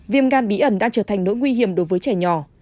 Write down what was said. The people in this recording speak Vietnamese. viêm gan bí ẩn đang trở thành nỗi nguy hiểm đối với trẻ nhỏ